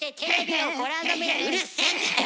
うるせえんだよ！